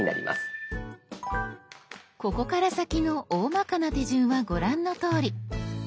ここから先のおおまかな手順はご覧のとおり。